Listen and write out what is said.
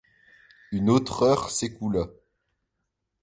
Une autre heure s’écoula.